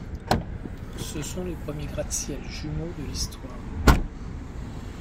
Ce sont les premiers gratte-ciel jumeaux de l'histoire.